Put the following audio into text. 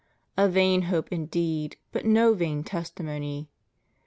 ^ A vain hope indeed, but no vain testimony.